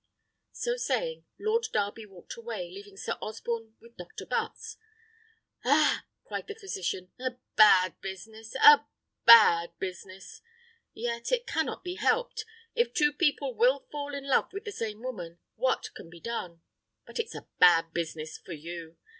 So saying, Lord Darby walked away, leaving Sir Osborne with Dr. Butts. "Ah!" cried the physician, "a bad business! a bad business! Yet it cannot be helped; if two people will fall in love with the same woman, what can be done? But it's a bad business for you.